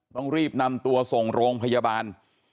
ต้องรีบนำตัวส่งโรงพยาบาล